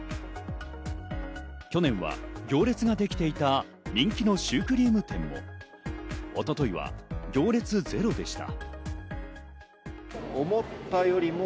去年は行列ができていた人気のシュークリーム店も、一昨日は行列ゼロでした。